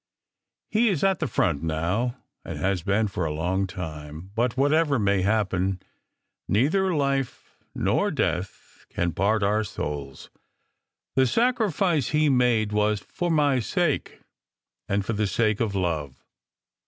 He is at the front now, and has been for a long time, but whatever may happen, neither life nor death can part our SECRET HISTORY 319 souls. The sacrifice he made was for my sake, and for the sake of love.